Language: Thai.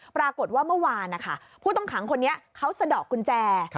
ปรากฏว่าเมื่อวานนะคะผู้ต้องขังคนนี้เขาสะดอกกุญแจ